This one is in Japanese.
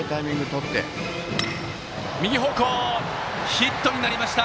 ヒットになりました！